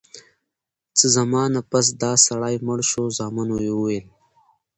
څه زمانه پس دا سړی مړ شو زامنو ئي وويل: